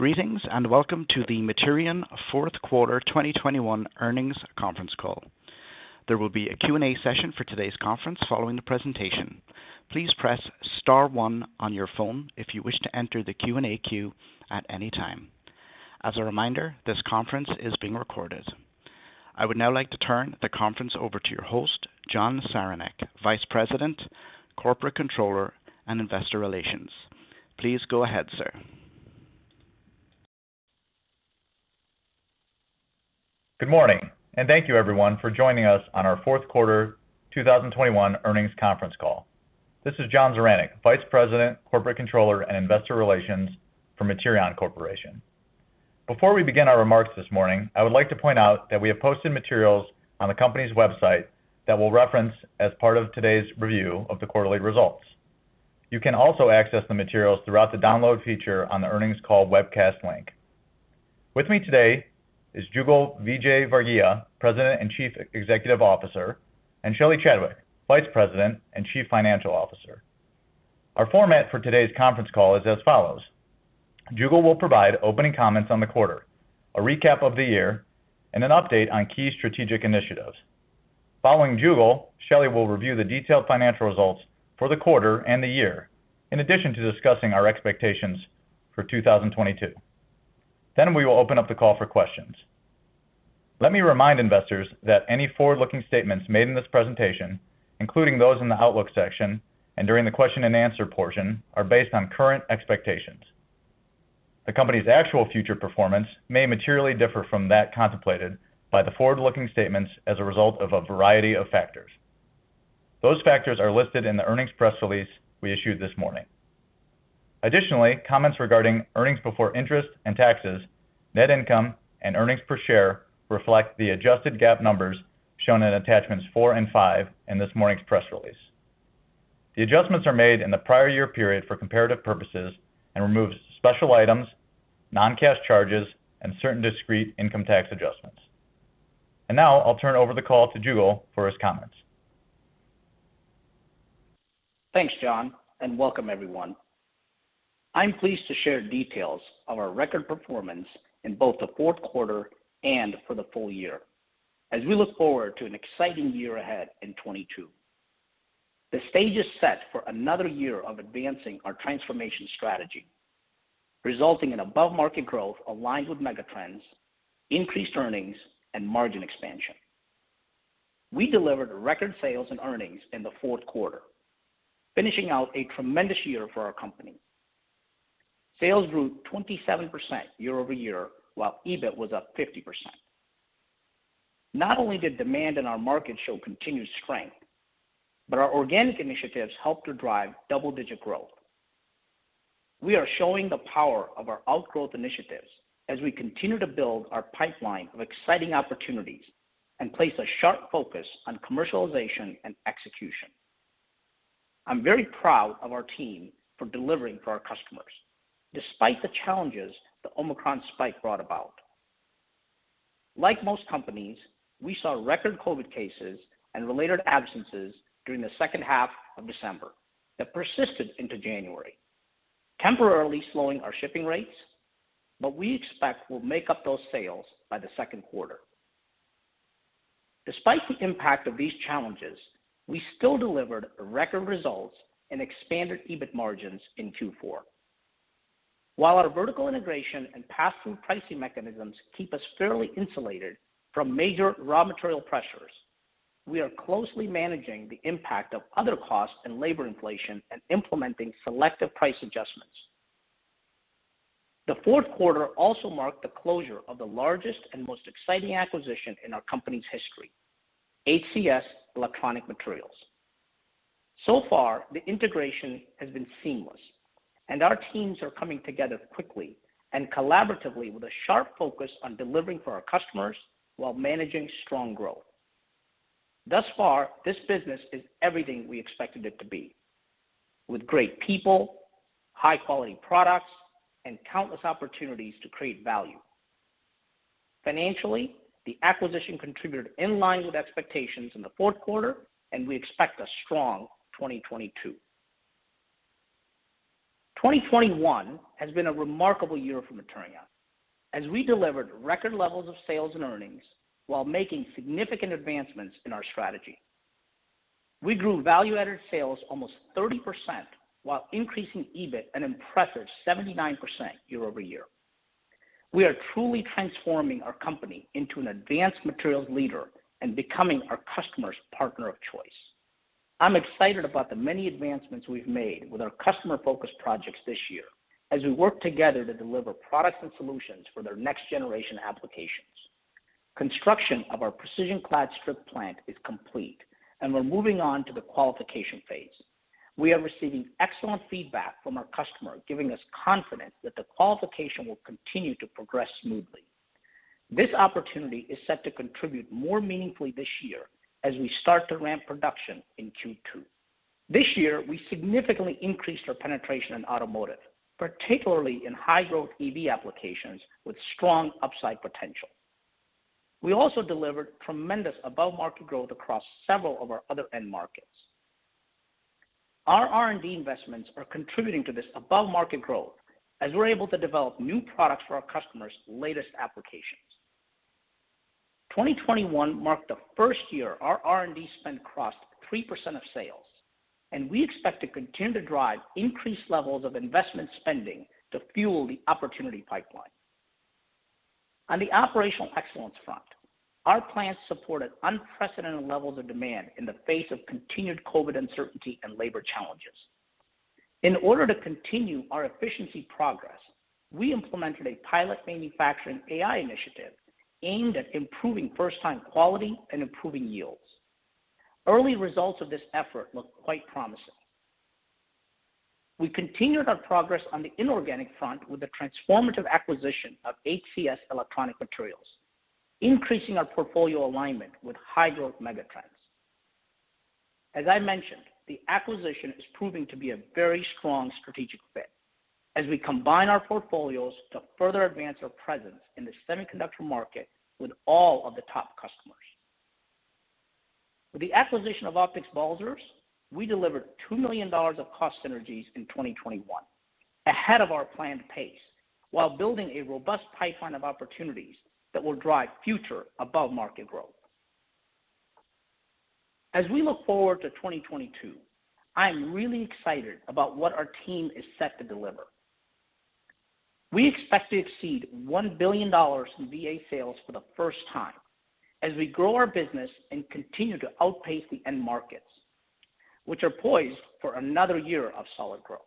Greetings, and welcome to the Materion Fourth Quarter 2021 Earnings Conference Call. There will be a Q&A session for today's conference following the presentation. Please press star one on your phone if you wish to enter the Q&A queue at any time. As a reminder, this conference is being recorded. I would now like to turn the conference over to your host, John Zaranec, Vice President, Corporate Controller, and Investor Relations. Please go ahead, sir. Good morning, and thank you everyone for joining us on our fourth quarter 2021 earnings conference call. This is John Zaranec, Vice President, Corporate Controller and Investor Relations for Materion Corporation. Before we begin our remarks this morning, I would like to point out that we have posted materials on the company's website that we'll reference as part of today's review of the quarterly results. You can also access the materials throughout the download feature on the earnings call webcast link. With me today is Jugal Vijayvargiya, President and Chief Executive Officer, and Shelly Chadwick, Vice President and Chief Financial Officer. Our format for today's conference call is as follows. Jugal will provide opening comments on the quarter, a recap of the year, and an update on key strategic initiatives. Following Jugal, Shelly will review the detailed financial results for the quarter and the year, in addition to discussing our expectations for 2022. Then we will open up the call for questions. Let me remind investors that any forward-looking statements made in this presentation, including those in the outlook section and during the question and answer portion, are based on current expectations. The company's actual future performance may materially differ from that contemplated by the forward-looking statements as a result of a variety of factors. Those factors are listed in the earnings press release we issued this morning. Additionally, comments regarding earnings before interest and taxes, net income, and earnings per share reflect the adjusted GAAP numbers shown in attachments four and five in this morning's press release. The adjustments are made in the prior year period for comparative purposes and removes special items, non-cash charges, and certain discrete income tax adjustments. Now I'll turn over the call to Jugal for his comments. Thanks, John, and welcome everyone. I'm pleased to share details of our record performance in both the fourth quarter and for the full year as we look forward to an exciting year ahead in 2022. The stage is set for another year of advancing our transformation strategy, resulting in above-market growth aligned with megatrends, increased earnings, and margin expansion. We delivered record sales and earnings in the fourth quarter, finishing out a tremendous year for our company. Sales grew 27% year-over-year, while EBIT was up 50%. Not only did demand in our market show continued strength, but our organic initiatives helped to drive double-digit growth. We are showing the power of our outgrowth initiatives as we continue to build our pipeline of exciting opportunities and place a sharp focus on commercialization and execution. I'm very proud of our team for delivering for our customers despite the challenges the Omicron spike brought about. Like most companies, we saw record COVID cases and related absences during the second half of December that persisted into January, temporarily slowing our shipping rates, but we expect we'll make up those sales by the second quarter. Despite the impact of these challenges, we still delivered record results and expanded EBIT margins in Q4. While our vertical integration and pass-through pricing mechanisms keep us fairly insulated from major raw material pressures, we are closely managing the impact of other costs and labor inflation and implementing selective price adjustments. The fourth quarter also marked the closure of the largest and most exciting acquisition in our company's history, HCS Electronic Materials. So far, the integration has been seamless, and our teams are coming together quickly and collaboratively with a sharp focus on delivering for our customers while managing strong growth. Thus far, this business is everything we expected it to be, with great people, high-quality products, and countless opportunities to create value. Financially, the acquisition contributed in line with expectations in the fourth quarter, and we expect a strong 2022. 2021 has been a remarkable year for Materion as we delivered record levels of sales and earnings while making significant advancements in our strategy. We grew value-added sales almost 30% while increasing EBIT an impressive 79% year-over-year. We are truly transforming our company into an advanced materials leader and becoming our customers' partner of choice. I'm excited about the many advancements we've made with our customer-focused projects this year as we work together to deliver products and solutions for their next-generation applications. Construction of our Precision Clad Strip plant is complete, and we're moving on to the qualification phase. We are receiving excellent feedback from our customer, giving us confidence that the qualification will continue to progress smoothly. This opportunity is set to contribute more meaningfully this year as we start to ramp production in Q2. This year, we significantly increased our penetration in automotive, particularly in high-growth EV applications with strong upside potential. We also delivered tremendous above-market growth across several of our other end markets. Our R&D investments are contributing to this above-market growth as we're able to develop new products for our customers' latest applications. 2021 marked the first year our R&D spend crossed 3% of sales, and we expect to continue to drive increased levels of investment spending to fuel the opportunity pipeline. On the operational excellence front, our plans supported unprecedented levels of demand in the face of continued COVID uncertainty and labor challenges. In order to continue our efficiency progress, we implemented a pilot manufacturing AI initiative aimed at improving first-time quality and improving yields. Early results of this effort look quite promising. We continued our progress on the inorganic front with the transformative acquisition of HCS Electronic Materials, increasing our portfolio alignment with high-growth megatrends. As I mentioned, the acquisition is proving to be a very strong strategic fit as we combine our portfolios to further advance our presence in the semiconductor market with all of the top customers. With the acquisition of Optics Balzers, we delivered $2 million of cost synergies in 2021, ahead of our planned pace, while building a robust pipeline of opportunities that will drive future above-market growth. As we look forward to 2022, I am really excited about what our team is set to deliver. We expect to exceed $1 billion in VA sales for the first time as we grow our business and continue to outpace the end markets, which are poised for another year of solid growth.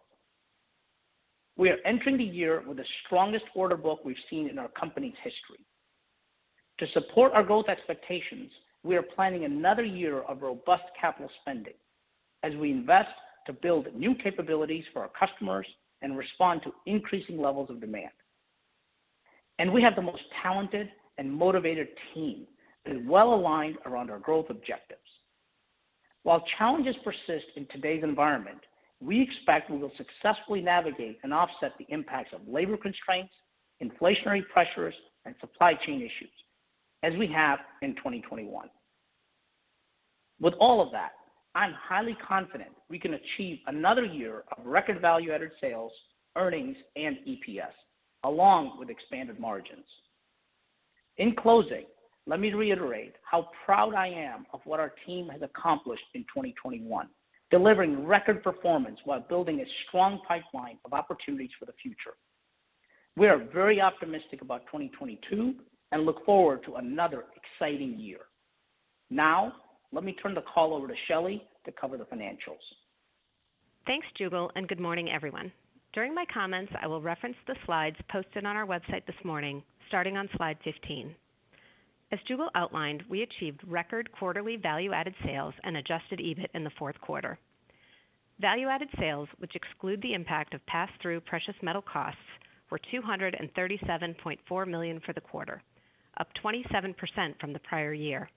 We are entering the year with the strongest order book we've seen in our company's history. To support our growth expectations, we are planning another year of robust capital spending as we invest to build new capabilities for our customers and respond to increasing levels of demand. We have the most talented and motivated team that is well-aligned around our growth objectives. While challenges persist in today's environment, we expect we will successfully navigate and offset the impacts of labor constraints, inflationary pressures, and supply chain issues as we have in 2021. With all of that, I'm highly confident we can achieve another year of record value-added sales, earnings, and EPS, along with expanded margins. In closing, let me reiterate how proud I am of what our team has accomplished in 2021, delivering record performance while building a strong pipeline of opportunities for the future. We are very optimistic about 2022 and look forward to another exciting year. Now, let me turn the call over to Shelley to cover the financials. Thanks, Jugal, and good morning, everyone. During my comments, I will reference the slides posted on our website this morning, starting on slide 15. As Jugal outlined, we achieved record quarterly value-added sales and adjusted EBIT in the fourth quarter. Value-added sales, which exclude the impact of pass-through precious metal costs, were $237.4 million for the quarter, up 27% from the prior year.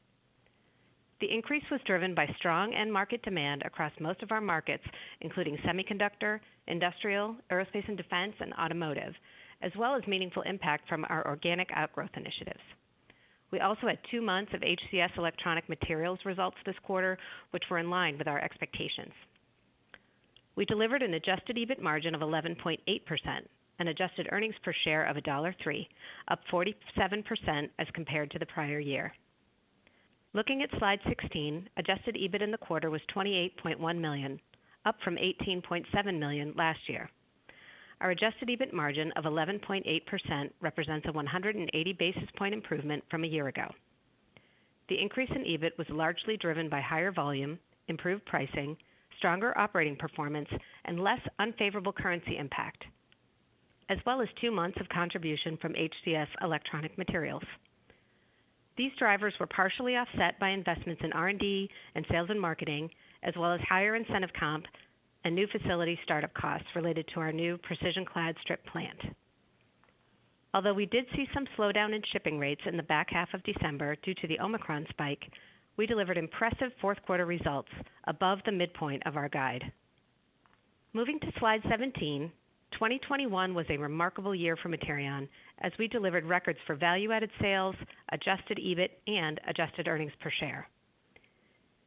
The increase was driven by strong end market demand across most of our markets, including semiconductor, industrial, aerospace and defense, and automotive, as well as meaningful impact from our organic outgrowth initiatives. We also had two months of HCS Electronic Materials results this quarter, which were in line with our expectations. We delivered an adjusted EBIT margin of 11.8% and adjusted earnings per share of $1.03, up 47% as compared to the prior year. Looking at slide 16, adjusted EBIT in the quarter was $28.1 million, up from $18.7 million last year. Our adjusted EBIT margin of 11.8% represents a 180 basis point improvement from a year ago. The increase in EBIT was largely driven by higher volume, improved pricing, stronger operating performance, and less unfavorable currency impact, as well as two months of contribution from HCS Electronic Materials. These drivers were partially offset by investments in R&D and sales and marketing, as well as higher incentive comp and new facility start-up costs related to our new Precision Clad Strip plant. Although we did see some slowdown in shipping rates in the back half of December due to the Omicron spike, we delivered impressive fourth quarter results above the midpoint of our guide. Moving to slide 17, 2021 was a remarkable year for Materion as we delivered records for value-added sales, adjusted EBIT, and adjusted earnings per share.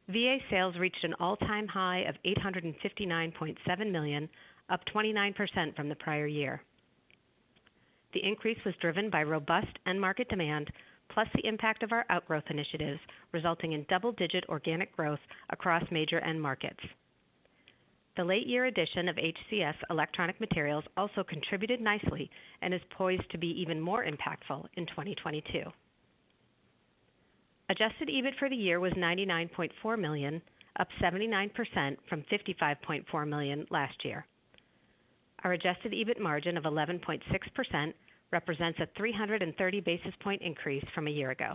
VA sales reached an all-time high of $859.7 million, up 29% from the prior year. The increase was driven by robust end market demand, plus the impact of our outgrowth initiatives, resulting in double-digit organic growth across major end markets. The late-year addition of HCS Electronic Materials also contributed nicely and is poised to be even more impactful in 2022. Adjusted EBIT for the year was $99.4 million, up 79% from $55.4 million last year. Our adjusted EBIT margin of 11.6% represents a 330 basis point increase from a year ago.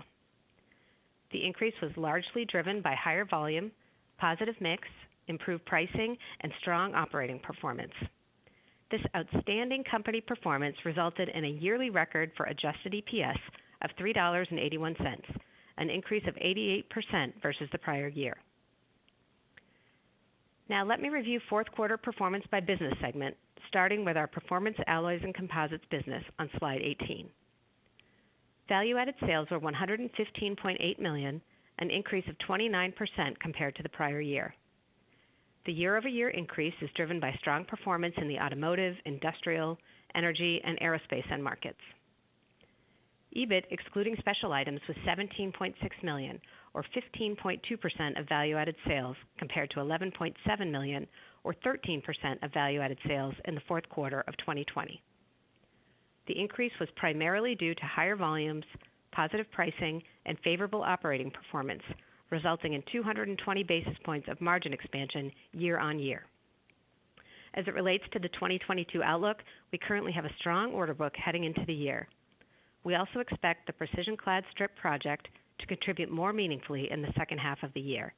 The increase was largely driven by higher volume, positive mix, improved pricing, and strong operating performance. This outstanding company performance resulted in a yearly record for adjusted EPS of $3.81, an increase of 88% versus the prior year. Now let me review fourth quarter performance by business segment, starting with our Performance Alloys and Composites business on slide 18. Value added sales were $115.8 million, an increase of 29% compared to the prior year. The year-over-year increase is driven by strong performance in the automotive, industrial, energy, and aerospace end markets. EBIT, excluding special items, was $17.6 million, or 15.2% of value added sales, compared to $11.7 million, or 13% of value added sales in the fourth quarter of 2020. The increase was primarily due to higher volumes, positive pricing, and favorable operating performance, resulting in 220 basis points of margin expansion year-over-year. As it relates to the 2022 outlook, we currently have a strong order book heading into the year. We also expect the Precision Clad Strip project to contribute more meaningfully in the second half of the year.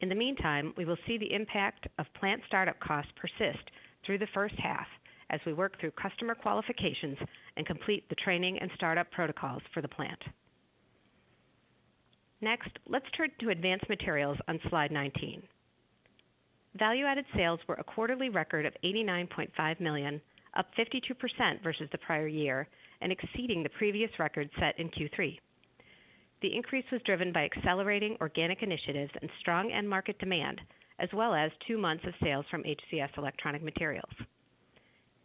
In the meantime, we will see the impact of plant startup costs persist through the first half as we work through customer qualifications and complete the training and startup protocols for the plant. Next, let's turn to Advanced Materials on slide 19. Value-added sales were a quarterly record of $89.5 million, up 52% versus the prior year and exceeding the previous record set in Q3. The increase was driven by accelerating organic initiatives and strong end market demand, as well as two months of sales from HCS Electronic Materials.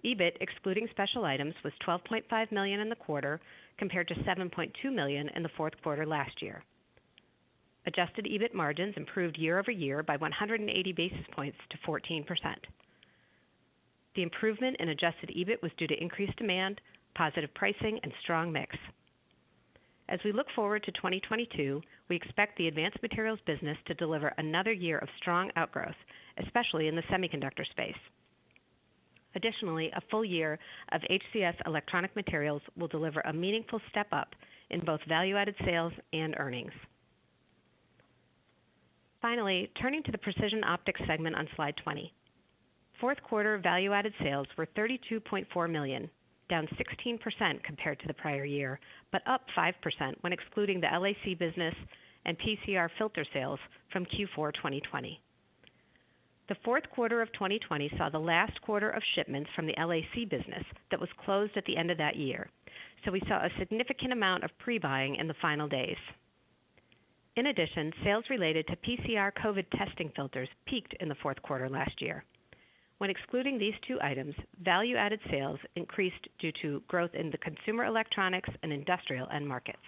EBIT, excluding special items, was $12.5 million in the quarter compared to $7.2 million in the fourth quarter last year. Adjusted EBIT margins improved year-over-year by 180 basis points to 14%. The improvement in adjusted EBIT was due to increased demand, positive pricing, and strong mix. As we look forward to 2022, we expect the Advanced Materials business to deliver another year of strong outgrowth, especially in the semiconductor space. Additionally, a full year of HCS Electronic Materials will deliver a meaningful step up in both value added sales and earnings. Finally, turning to the Precision Optics segment on slide 20. Fourth quarter value added sales were $32.4 million, down 16% compared to the prior year, but up 5% when excluding the LAC business and PCR filter sales from Q4 2020. The fourth quarter of 2020 saw the last quarter of shipments from the LAC business that was closed at the end of that year. We saw a significant amount of pre-buying in the final days. In addition, sales related to PCR COVID testing filters peaked in the fourth quarter last year. When excluding these two items, value added sales increased due to growth in the consumer electronics and industrial end markets.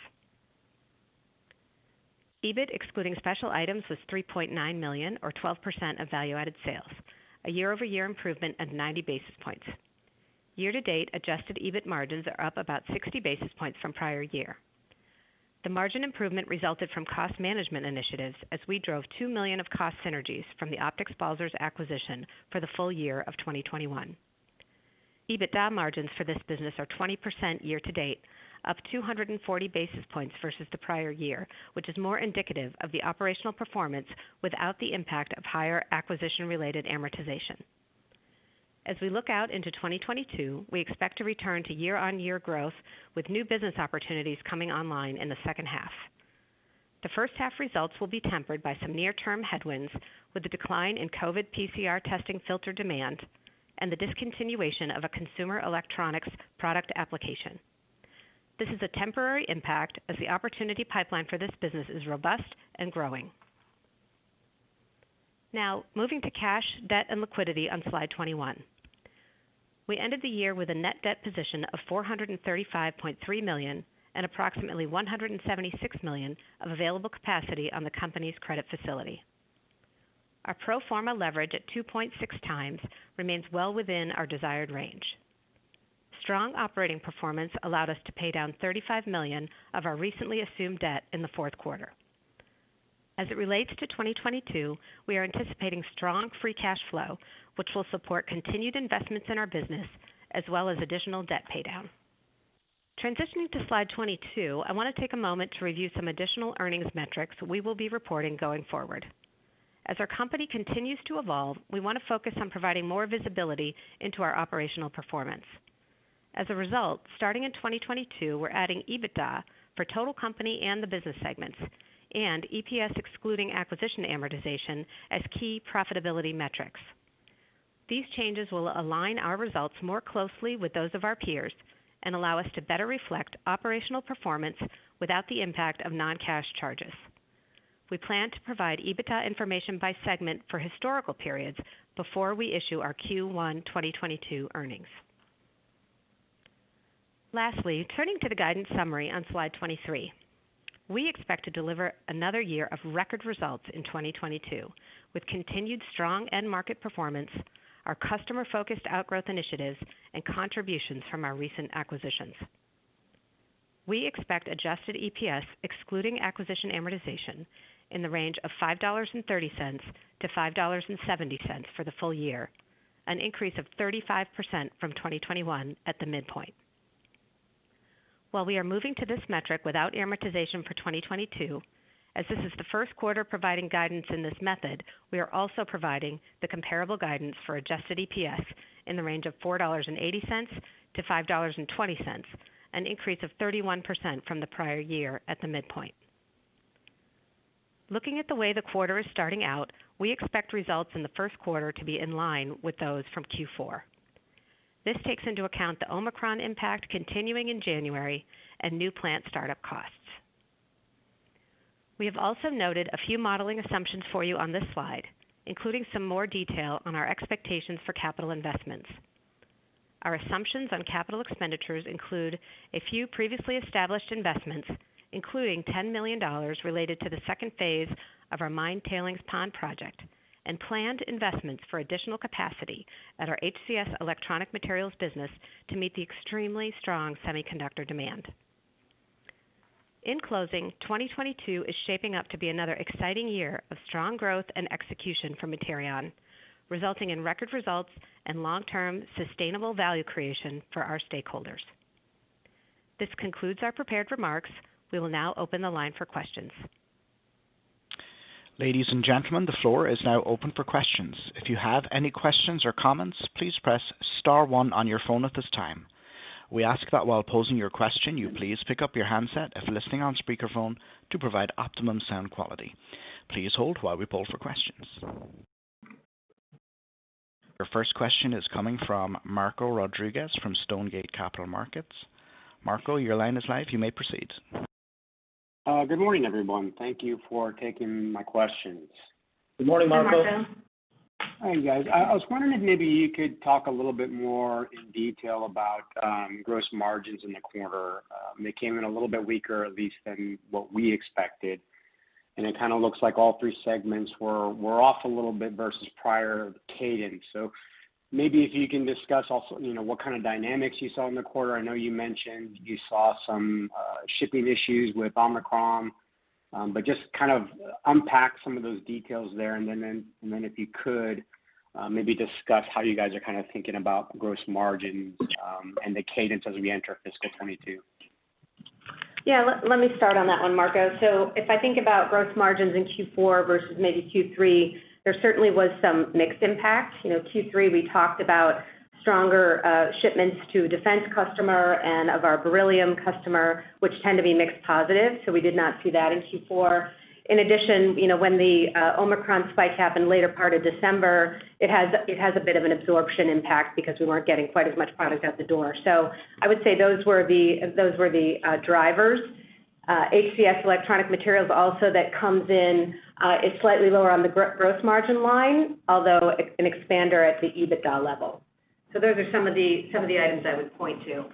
EBIT, excluding special items, was $3.9 million or 12% of value added sales, a year-over-year improvement of 90 basis points. Year to date, adjusted EBIT margins are up about 60 basis points from prior year. The margin improvement resulted from cost management initiatives as we drove $2 million of cost synergies from the Optics Balzers acquisition for the full year of 2021. EBITDA margins for this business are 20% year to date, up 240 basis points versus the prior year, which is more indicative of the operational performance without the impact of higher acquisition related amortization. As we look out into 2022, we expect to return to year-on-year growth with new business opportunities coming online in the second half. The first half results will be tempered by some near term headwinds with the decline in COVID PCR testing filter demand and the discontinuation of a consumer electronics product application. This is a temporary impact as the opportunity pipeline for this business is robust and growing. Now moving to cash, debt, and liquidity on slide 21. We ended the year with a net debt position of $435.3 million and approximately $176 million of available capacity on the company's credit facility. Our pro forma leverage at 2.6x remains well within our desired range. Strong operating performance allowed us to pay down $35 million of our recently assumed debt in the fourth quarter. As it relates to 2022, we are anticipating strong free cash flow, which will support continued investments in our business as well as additional debt paydown. Transitioning to slide 22, I want to take a moment to review some additional earnings metrics we will be reporting going forward. As our company continues to evolve, we want to focus on providing more visibility into our operational performance. As a result, starting in 2022, we're adding EBITDA for total company and the business segments and EPS excluding acquisition amortization as key profitability metrics. These changes will align our results more closely with those of our peers and allow us to better reflect operational performance without the impact of non-cash charges. We plan to provide EBITDA information by segment for historical periods before we issue our Q1 2022 earnings. Lastly, turning to the guidance summary on slide 23. We expect to deliver another year of record results in 2022 with continued strong end market performance, our customer focused outgrowth initiatives, and contributions from our recent acquisitions. We expect adjusted EPS excluding acquisition amortization in the range of $5.30-$5.70 for the full year, an increase of 35% from 2021 at the midpoint. While we are moving to this metric without amortization for 2022, as this is the first quarter providing guidance in this method, we are also providing the comparable guidance for adjusted EPS in the range of $4.80-$5.20, an increase of 31% from the prior year at the midpoint. Looking at the way the quarter is starting out, we expect results in the first quarter to be in line with those from Q4. This takes into account the Omicron impact continuing in January and new plant startup costs. We have also noted a few modeling assumptions for you on this slide, including some more detail on our expectations for capital investments. Our assumptions on capital expenditures include a few previously established investments, including $10 million related to the second phase of our mine tailings pond project, and planned investments for additional capacity at our HCS Electronic Materials business to meet the extremely strong semiconductor demand. In closing, 2022 is shaping up to be another exciting year of strong growth and execution for Materion, resulting in record results and long-term sustainable value creation for our stakeholders. This concludes our prepared remarks. We will now open the line for questions. Ladies and gentlemen, the floor is now open for questions. If you have any questions or comments, please press star one on your phone at this time. We ask that while posing your question, you please pick up your handset if listening on speakerphone to provide optimum sound quality. Please hold while we poll for questions. Your first question is coming from Marco Rodriguez from Stonegate Capital Markets. Marco, your line is live. You may proceed. Good morning, everyone. Thank you for taking my questions. Good morning, Marco. Good morning, Marco. Hi, guys. I was wondering if maybe you could talk a little bit more in detail about gross margins in the quarter. They came in a little bit weaker, at least than what we expected, and it kinda looks like all three segments were off a little bit versus prior cadence. Maybe if you can discuss also, you know, what kind of dynamics you saw in the quarter. I know you mentioned you saw some shipping issues with Omicron, but just kind of unpack some of those details there. If you could, maybe discuss how you guys are kinda thinking about gross margin and the cadence as we enter fiscal 2022. Yeah. Let me start on that one, Marco. If I think about gross margins in Q4 versus maybe Q3, there certainly was some mixed impact. You know, Q3, we talked about stronger shipments to a defense customer and of our beryllium customer, which tend to be mixed positive. We did not see that in Q4. In addition, you know, when the Omicron spike happened later part of December, it has a bit of an absorption impact because we weren't getting quite as much product out the door. I would say those were the drivers. HCS Electronic Materials also that comes in is slightly lower on the gross margin line, although an expander at the EBITDA level. Those are some of the items I would point to.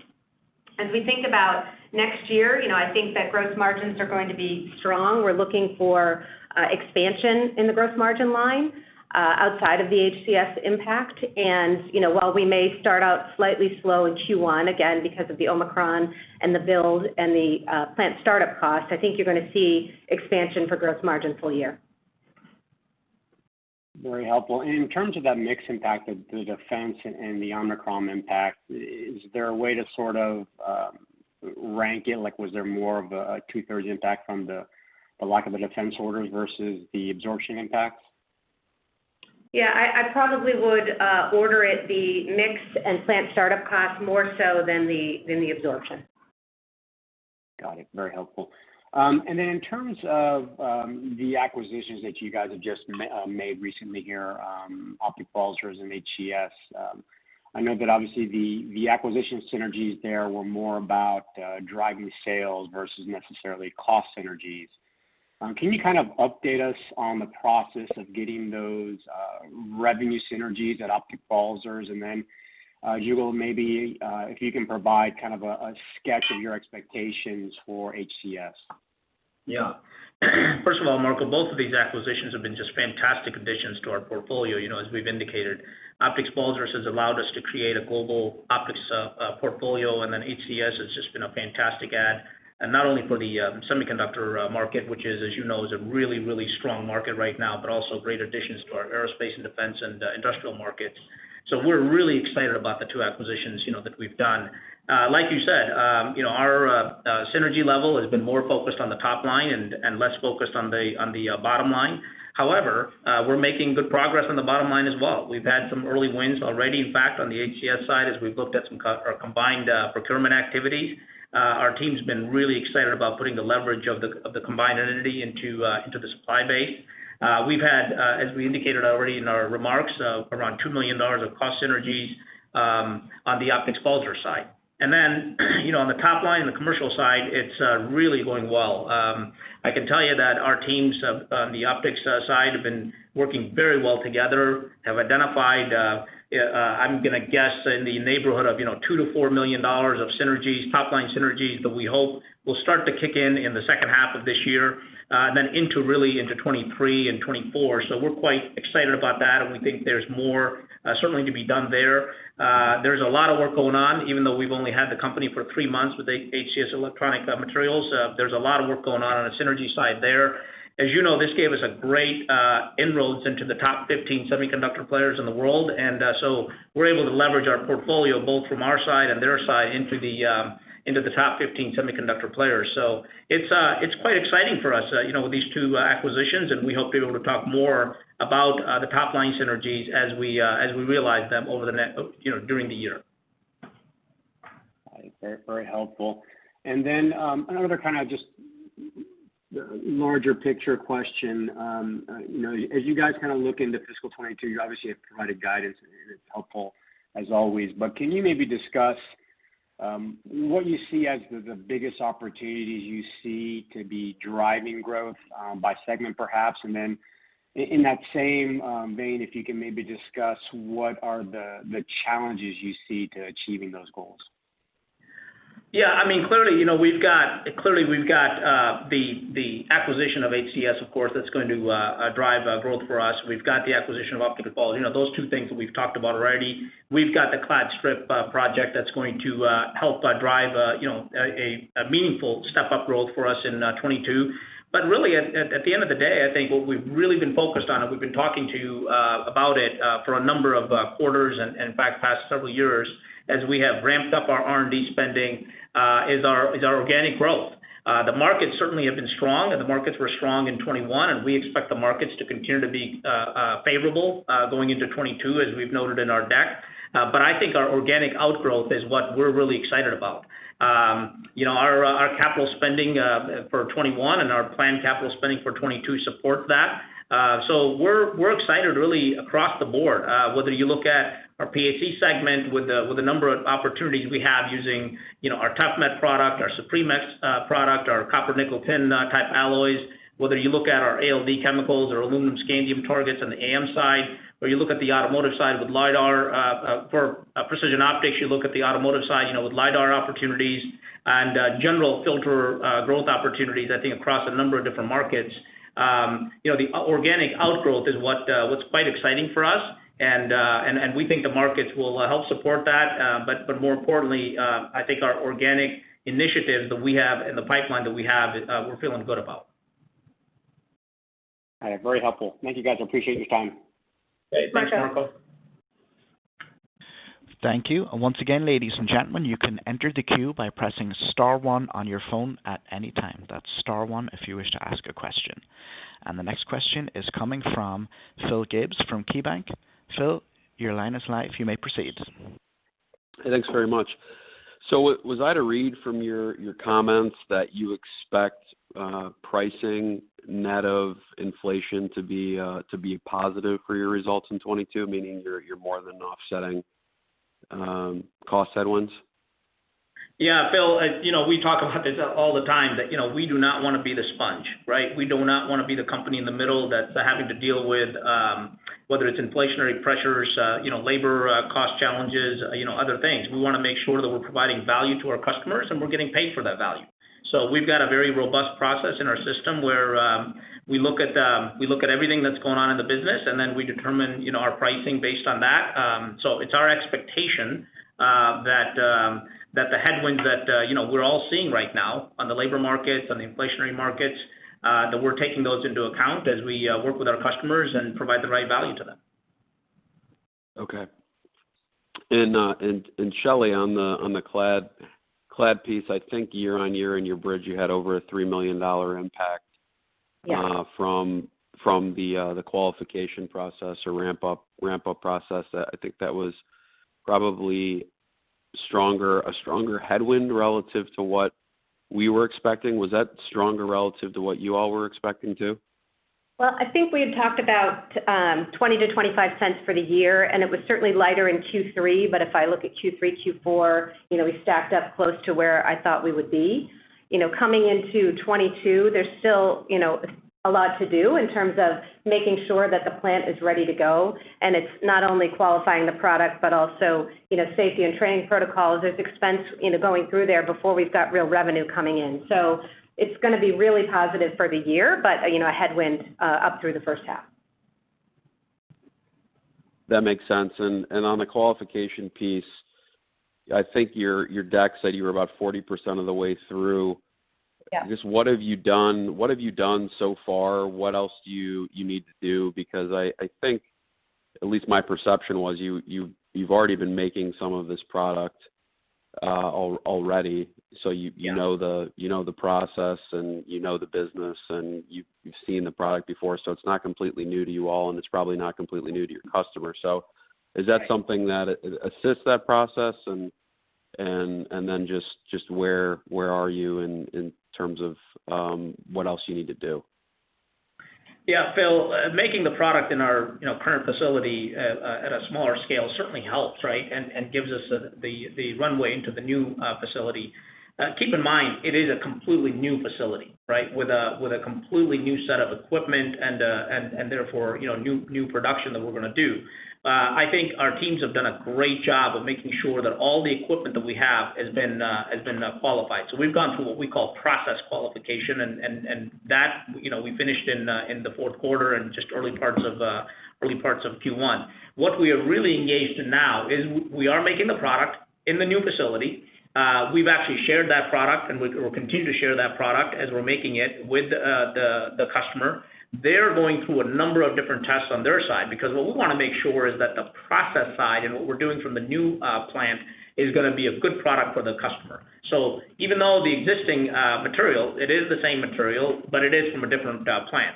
As we think about next year, you know, I think that gross margins are going to be strong. We're looking for expansion in the gross margin line outside of the HCS impact. You know, while we may start out slightly slow in Q1, again, because of the Omicron and the build and the plant startup cost, I think you're gonna see expansion for gross margin full year. Very helpful. In terms of that mix impact of the defense and the Omicron impact, is there a way to sort of rank it? Like, was there more of a two-thirds impact from the lack of the defense orders versus the absorption impacts? Yeah. I probably would order it the mix and plant startup cost more so than the absorption. Got it. Very helpful. In terms of the acquisitions that you guys have just made recently here, Optics Balzers and HCS, I know that obviously the acquisition synergies there were more about driving sales versus necessarily cost synergies. Can you kind of update us on the process of getting those revenue synergies at Optics Balzers? You will maybe if you can provide kind of a sketch of your expectations for HCS. Yeah. First of all, Marco, both of these acquisitions have been just fantastic additions to our portfolio. You know, as we've indicated, Optics Balzers has allowed us to create a global optics portfolio, and then HCS has just been a fantastic add. Not only for the semiconductor market, which, as you know, is a really, really strong market right now, but also great additions to our aerospace and defense and industrial markets. We're really excited about the two acquisitions, you know, that we've done. Like you said, you know, our synergy level has been more focused on the top line and less focused on the bottom line. However, we're making good progress on the bottom line as well. We've had some early wins already. In fact, on the HCS side, as we've looked at some combined procurement activities, our team's been really excited about putting the leverage of the combined entity into the supply base. We've had, as we indicated already in our remarks, around $2 million of cost synergies on the Optics Balzers side. You know, on the top line, on the commercial side, it's really going well. I can tell you that our teams on the optics side have been working very well together, have identified, I'm gonna guess in the neighborhood of, you know, $2 million-$4 million of synergies, top line synergies that we hope will start to kick in in the second half of this year, and then really into 2023 and 2024. We're quite excited about that, and we think there's more, certainly to be done there. There's a lot of work going on, even though we've only had the company for three months with HCS Electronic Materials. There's a lot of work going on on the synergy side there. As you know, this gave us a great inroads into the top 15 semiconductor players in the world. We're able to leverage our portfolio both from our side and their side into the top 15 semiconductor players. It's quite exciting for us, you know, with these two acquisitions, and we hope to be able to talk more about the top line synergies as we realize them during the year. Very, very helpful. Then, another kind of just larger picture question. You know, as you guys kind of look into fiscal 2022, you obviously have provided guidance, and it's helpful as always. Can you maybe discuss what you see as the biggest opportunities you see to be driving growth by segment perhaps? In that same vein, if you can maybe discuss what are the challenges you see to achieving those goals? Yeah. I mean, clearly, you know, we've got the acquisition of HCS, of course, that's going to drive growth for us. We've got the acquisition of Optics Balzers. You know, those two things that we've talked about already. We've got the Precision Clad Strip project that's going to help drive you know, a meaningful step up growth for us in 2022. Really at the end of the day, I think what we've really been focused on, and we've been talking to you about it for a number of quarters and in fact past several years, as we have ramped up our R&D spending, is our organic growth. The markets certainly have been strong, and the markets were strong in 2021, and we expect the markets to continue to be favorable going into 2022, as we've noted in our deck. I think our organic growth is what we're really excited about. You know, our capital spending for 2021 and our planned capital spending for 2022 support that. We're excited really across the board whether you look at our PAC segment with the number of opportunities we have using you know, our ToughMet product, our SupremEX product, our copper nickel tin type alloys. Whether you look at our ALD chemicals or aluminum scandium targets on the AM side, or you look at the automotive side with LIDAR for Precision Optics, you know, with LIDAR opportunities and general filter growth opportunities, I think, across a number of different markets. You know, the organic outgrowth is what's quite exciting for us. We think the markets will help support that. But more importantly, I think our organic initiatives that we have in the pipeline, we're feeling good about. All right. Very helpful. Thank you, guys. I appreciate your time. Great. Thanks, Marco. Thank you. Once again, ladies and gentlemen, you can enter the queue by pressing star one on your phone at any time. That's star one if you wish to ask a question. The next question is coming from Phil Gibbs from KeyBanc. Phil, your line is live. You may proceed. Thanks very much. Was I to read from your comments that you expect pricing net of inflation to be positive for your results in 2022, meaning you're more than offsetting cost headwinds? Yeah, Phil, as you know, we talk about this all the time that, you know, we do not wanna be the sponge, right? We do not wanna be the company in the middle that's having to deal with whether it's inflationary pressures, you know, labor cost challenges, you know, other things. We wanna make sure that we're providing value to our customers, and we're getting paid for that value. We've got a very robust process in our system where we look at everything that's going on in the business, and then we determine, you know, our pricing based on that. It's our expectation that the headwinds that you know we're all seeing right now on the labor markets, on the inflationary markets that we're taking those into account as we work with our customers and provide the right value to them. Okay. Shelly, on the clad piece, I think year-over-year in your bridge, you had over a $3 million impact. Yeah From the qualification process or ramp up process. I think that was probably stronger, a stronger headwind relative to what we were expecting. Was that stronger relative to what you all were expecting, too? Well, I think we had talked about $0.20-$0.25 for the year, and it was certainly lighter in Q3. If I look at Q3, Q4, you know, we stacked up close to where I thought we would be. You know, coming into 2022, there's still, you know, a lot to do in terms of making sure that the plant is ready to go. It's not only qualifying the product but also, you know, safety and training protocols. There's expense, you know, going through there before we've got real revenue coming in. It's gonna be really positive for the year, but, you know, a headwind up through the first half. That makes sense. On the qualification piece, I think your deck said you were about 40% of the way through. Yeah. Just what have you done so far? What else do you need to do? Because I think, at least my perception was, you've already been making some of this product already. Yeah You know the process and you know the business, and you've seen the product before, so it's not completely new to you all, and it's probably not completely new to your customers. Is that something that assists that process? Just where are you in terms of what else you need to do? Yeah, Phil, making the product in our, you know, current facility at a smaller scale certainly helps, right? Gives us the runway into the new facility. Keep in mind, it is a completely new facility, right? With a completely new set of equipment and therefore, you know, new production that we're gonna do. I think our teams have done a great job of making sure that all the equipment that we have has been qualified. We've gone through what we call process qualification, and that, you know, we finished in the fourth quarter and just early parts of Q1. What we are really engaged in now is we are making the product in the new facility. We've actually shared that product, and we'll continue to share that product as we're making it with the customer. They're going through a number of different tests on their side because what we wanna make sure is that the process side and what we're doing from the new plant is gonna be a good product for the customer. Even though the existing material, it is the same material, but it is from a different plant.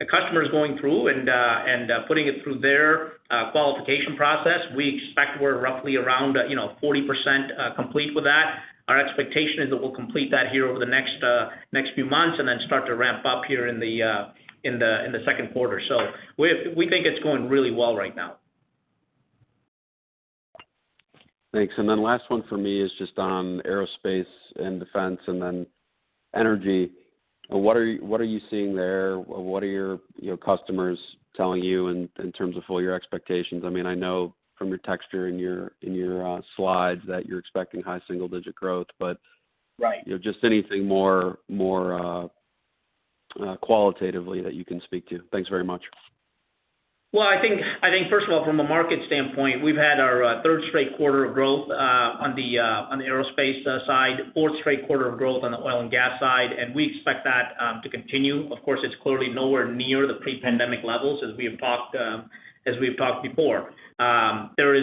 The customer is going through and putting it through their qualification process. We expect we're roughly around, you know, 40% complete with that. Our expectation is that we'll complete that here over the next few months and then start to ramp up here in the second quarter. We think it's going really well right now. Thanks. Then last one for me is just on aerospace and defense and then energy. What are you seeing there? What are your, you know, customers telling you in terms of full-year expectations? I mean, I know from your texture in your slides that you're expecting high single-digit growth, but Right. You know, just anything more qualitatively that you can speak to. Thanks very much. Well, I think first of all, from a market standpoint, we've had our third straight quarter of growth on the aerospace side, fourth straight quarter of growth on the oil and gas side, and we expect that to continue. Of course, it's clearly nowhere near the pre-pandemic levels as we've talked before. There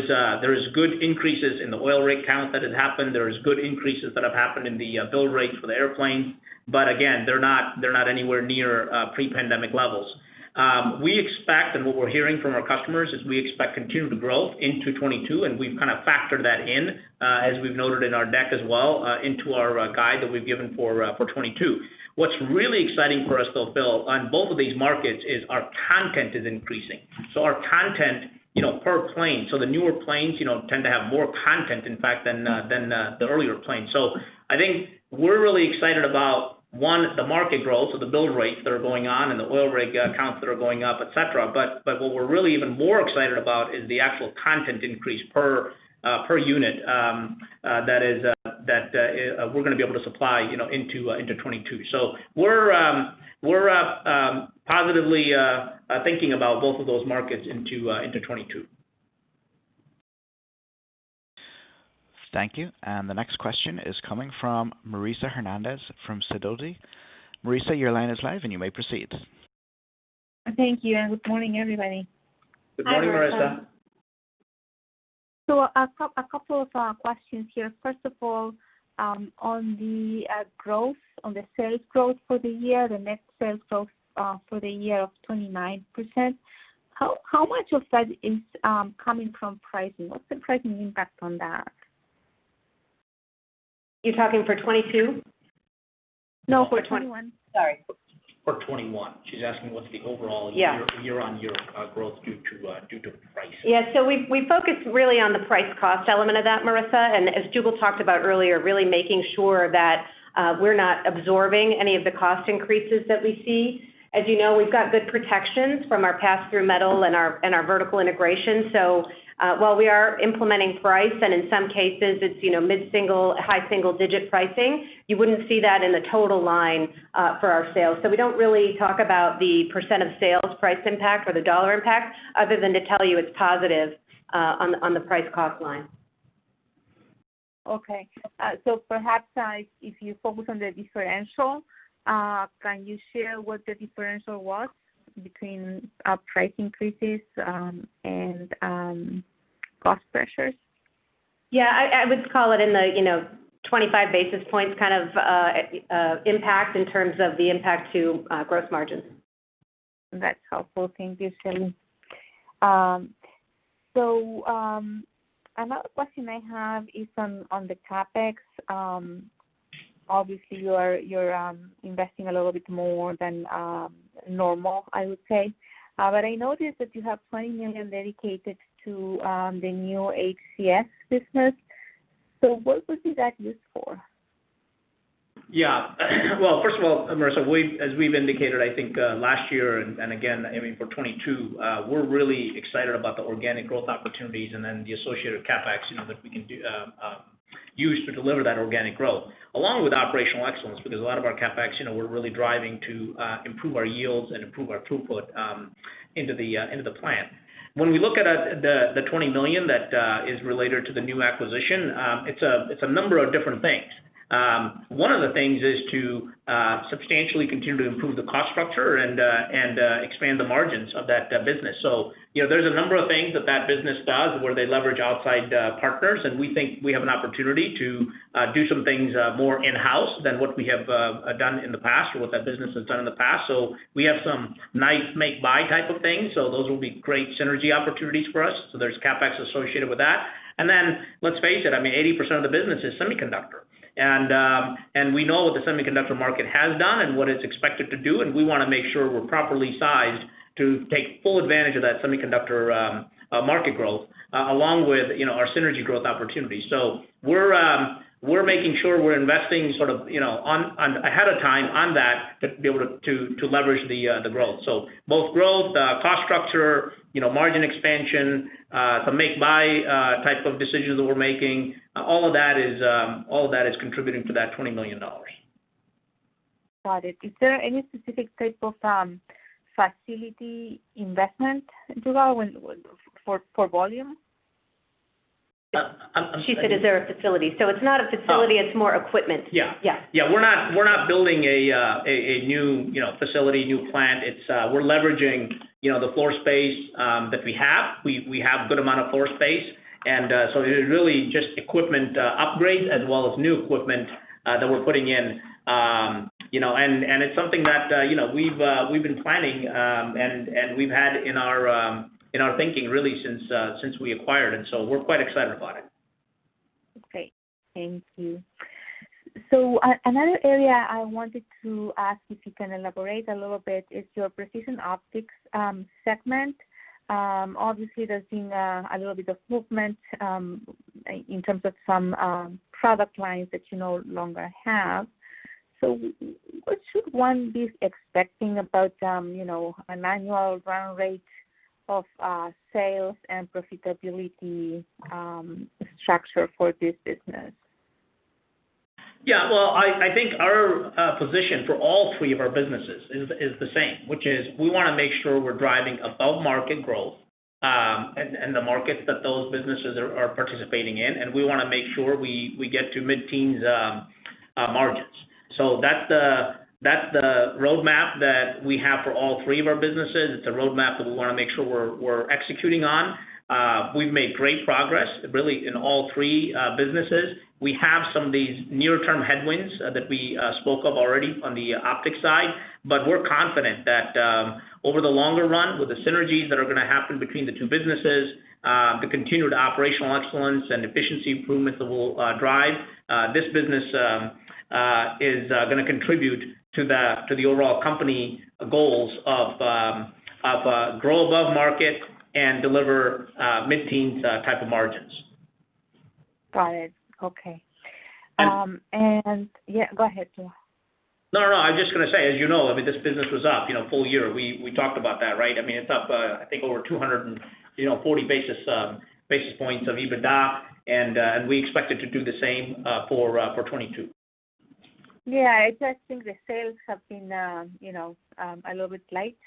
is good increases in the oil rig count that had happened. There is good increases that have happened in the build rates for the airplane. But again, they're not anywhere near pre-pandemic levels. We expect and what we're hearing from our customers is we expect continued growth into 2022, and we've kinda factored that in, as we've noted in our deck as well, into our guide that we've given for 2022. What's really exciting for us, though, Phil, on both of these markets is our content increasing, you know, per plane. The newer planes, you know, tend to have more content, in fact, than the earlier planes. I think we're really excited about, one, the market growth, so the build rates that are going on and the oil rig counts that are going up, et cetera. What we're really even more excited about is the actual content increase per unit that we're gonna be able to supply, you know, into 2022. We're positively thinking about both of those markets into 2022. Thank you. The next question is coming from Marisa Hernandez from Sidoti. Marisa, your line is live and you may proceed. Thank you, and good morning, everybody. Good morning, Marisa. A couple of questions here. First of all, on the growth, on the sales growth for the year, the net sales growth for the year of 29%, how much of that is coming from pricing? What's the pricing impact on that? You're talking for 2022? No, for 2021. Sorry. For 2021. She's asking what's the overall Yeah. Year-over-year growth due to pricing. Yeah, we focus really on the price cost element of that, Marisa. As Jugal talked about earlier, really making sure that we're not absorbing any of the cost increases that we see. As you know, we've got good protections from our pass-through metal and our vertical integration. While we are implementing price, and in some cases it's, you know, mid-single, high single digit pricing, you wouldn't see that in the total line for our sales. We don't really talk about the percent of sales price impact or the dollar impact other than to tell you it's positive on the price cost line. Okay. Perhaps, if you focus on the differential, can you share what the differential was between price increases and cost pressures? Yeah. I would call it in the you know 25 basis points kind of impact in terms of the impact to gross margins. That's helpful. Thank you, Shelly. Another question I have is on the CapEx. Obviously you're investing a little bit more than normal, I would say. I noticed that you have $20 million dedicated to the new HCS business. What would be that used for? Yeah. Well, first of all, Marisa, as we've indicated, I think, last year and again, I mean, for 2022, we're really excited about the organic growth opportunities and then the associated CapEx, you know, that we can use to deliver that organic growth, along with operational excellence, because a lot of our CapEx, you know, we're really driving to improve our yields and improve our throughput into the plan. When we look at the $20 million that is related to the new acquisition, it's a number of different things. One of the things is to substantially continue to improve the cost structure and expand the margins of that business. You know, there's a number of things that that business does where they leverage outside partners, and we think we have an opportunity to do some things more in-house than what we have done in the past or what that business has done in the past. We have some nice make-buy type of things. Those will be great synergy opportunities for us. There's CapEx associated with that. Then let's face it, I mean, 80% of the business is semiconductor. We know what the semiconductor market has done and what it's expected to do, and we wanna make sure we're properly sized to take full advantage of that semiconductor market growth along with, you know, our synergy growth opportunities. We're making sure we're investing sort of, you know, one ahead of time on that to be able to leverage the growth. Both growth, cost structure, you know, margin expansion, some make-buy type of decisions that we're making, all of that is contributing to that $20 million. Got it. Is there any specific type of facility investment, Jugal, for volume? She said is there a facility? So it's not a facility, it's more equipment. Yeah. Yeah. Yeah. We're not building a new, you know, facility, new plant. We're leveraging, you know, the floor space that we have. We have a good amount of floor space and so it is really just equipment upgrades as well as new equipment that we're putting in. You know, and it's something that, you know, we've been planning, and we've had in our thinking really since we acquired. We're quite excited about it. Okay. Thank you. Another area I wanted to ask if you can elaborate a little bit is your Precision Optics segment. Obviously there's been a little bit of movement in terms of some product lines that you no longer have. What should one be expecting about, you know, an annual run rate of sales and profitability structure for this business? Yeah. Well, I think our position for all three of our businesses is the same, which is we wanna make sure we're driving above market growth in the markets that those businesses are participating in, and we wanna make sure we get to mid-teens margins. That's the roadmap that we have for all three of our businesses. It's a roadmap that we wanna make sure we're executing on. We've made great progress really in all three businesses. We have some of these near term headwinds that we spoke of already on the optics side. We're confident that over the longer run, with the synergies that are gonna happen between the two businesses, the continued operational excellence and efficiency improvements that we'll drive, this business is gonna contribute to the overall company goals of grow above market and deliver mid-teens type of margins. Got it. Okay. Yeah. Go ahead. No, I'm just gonna say, as you know, I mean, this business was up, you know, full year. We talked about that, right? I mean, it's up, I think over 240 basis points of EBITDA and we expect it to do the same for 2022. Yeah, I just think the sales have been, you know, a little bit light.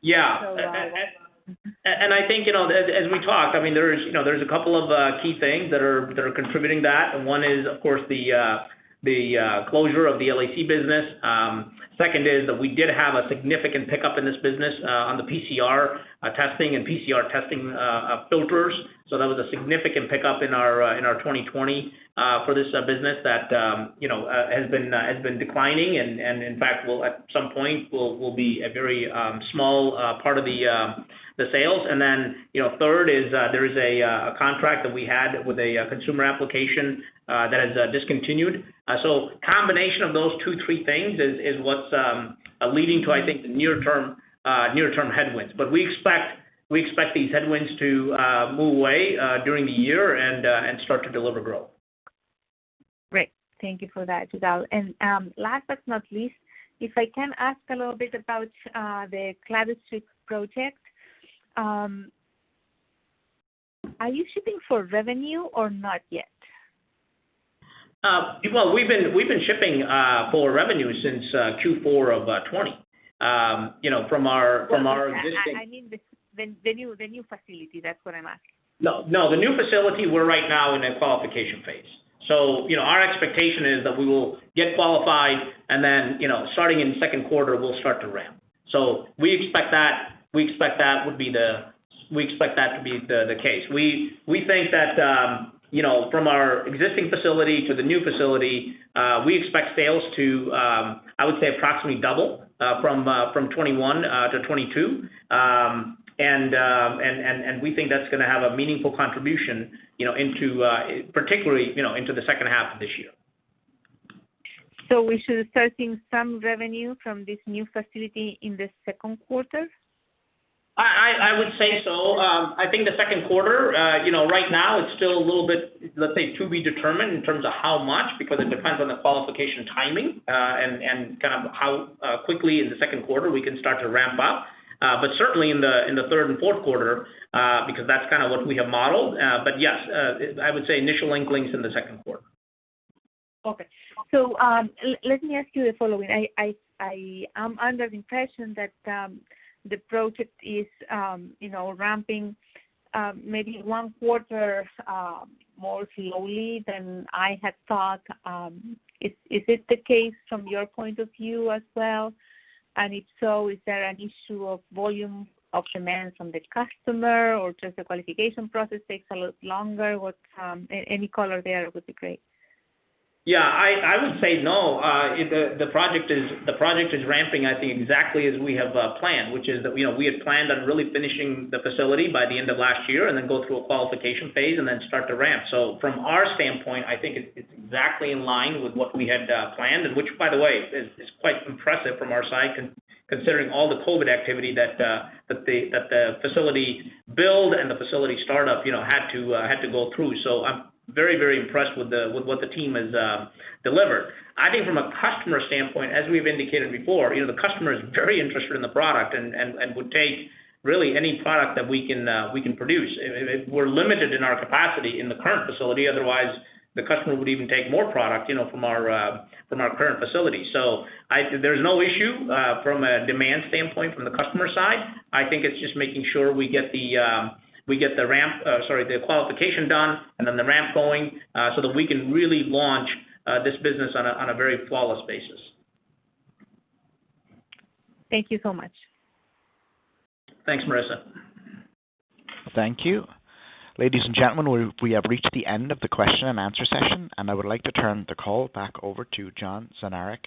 Yeah. So, um- I think, you know, as we talk, I mean, there's a couple of key things that are contributing to that. One is of course the closure of the LAC business. Second is that we did have a significant pickup in this business on the PCR testing and PCR testing filters. That was a significant pickup in our 2020 for this business that has been declining and in fact will at some point be a very small part of the sales. Third is there is a contract that we had with a consumer application that has discontinued. Combination of those two, three things is what's leading to, I think, the near term headwinds. We expect these headwinds to move away during the year and start to deliver growth. Great. Thank you for that, Jugal. Last but not least, if I can ask a little bit about the Precision Clad Strip project. Are you shipping for revenue or not yet? Well, we've been shipping for revenue since Q4 of 2020. You know, from our existing- I mean the new facility. That's what I'm asking. No, no. The new facility, we're right now in a qualification phase. You know, our expectation is that we will get qualified and then, you know, starting in the second quarter, we'll start to ramp. We expect that to be the case. We think that, you know, from our existing facility to the new facility, we expect sales to, I would say approximately double, from 2021 to 2022. And we think that's gonna have a meaningful contribution, you know, into, particularly, you know, into the second half of this year. We should start seeing some revenue from this new facility in the second quarter? I would say so. I think the second quarter. You know, right now it's still a little bit, let's say, to be determined in terms of how much, because it depends on the qualification timing, and kind of how quickly in the second quarter we can start to ramp up. Certainly in the third and fourth quarter, because that's kind of what we have modeled. Yes, I would say initial inklings in the second quarter. Let me ask you the following. I am under the impression that the project is, you know, ramping maybe one quarter more slowly than I had thought. Is this the case from your point of view as well? If so, is there an issue of volume of demand from the customer or just the qualification process takes a lot longer? What? Any color there would be great. Yeah. I would say no. The project is ramping I think exactly as we have planned, which is that, you know, we had planned on really finishing the facility by the end of last year and then go through a qualification phase and then start to ramp. From our standpoint, I think it's exactly in line with what we had planned, and which by the way is quite impressive from our side considering all the COVID activity that the facility build and the facility startup, you know, had to go through. I'm very impressed with what the team has delivered. I think from a customer standpoint, as we've indicated before, you know, the customer is very interested in the product and would take really any product that we can produce. We're limited in our capacity in the current facility, otherwise the customer would even take more product, you know, from our current facility. There's no issue from a demand standpoint from the customer side. I think it's just making sure we get the qualification done and then the ramp going so that we can really launch this business on a very flawless basis. Thank you so much. Thanks, Marisa. Thank you. Ladies and gentlemen, we have reached the end of the question and answer session, and I would like to turn the call back over to John Zaranec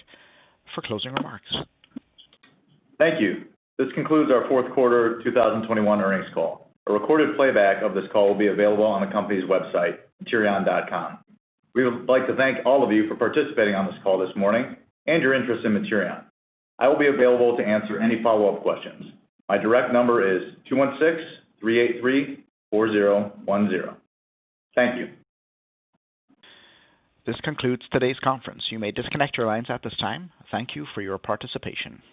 for closing remarks. Thank you. This concludes our fourth quarter 2021 earnings call. A recorded playback of this call will be available on the company's website, materion.com. We would like to thank all of you for participating on this call this morning and your interest in Materion. I will be available to answer any follow-up questions. My direct number is 216-383-4010. Thank you. This concludes today's conference. You may disconnect your lines at this time. Thank you for your participation.